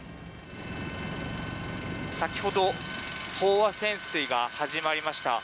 先ほど飽和潜水が始まりました。